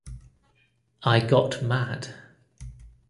I got mad.